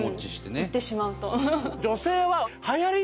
言ってしまうと。